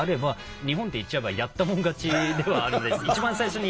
日本って言っちゃえばやったもん勝ちではあるんで。